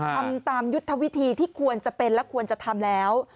ทำตามยุทธวิธีที่ควรจะเป็นและควรจะทำแล้ว